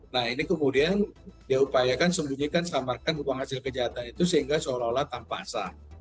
nah ini kemudian diupayakan sembunyikan samarkan uang hasil kejahatan itu sehingga seolah olah tanpa sah